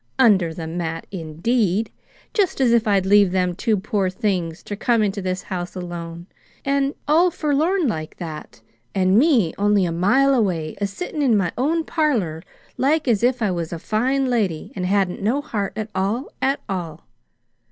"Under the mat, indeed! Just as if I'd leave them two poor things ter come into this house alone, and all forlorn like that and me only a mile away, a sittin' in my own parlor like as if I was a fine lady an' hadn't no heart at all, at all!